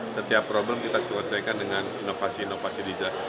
setiap problem kita selesaikan dengan inovasi inovasi digital